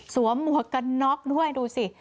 หมวกกันน็อกด้วยดูสิ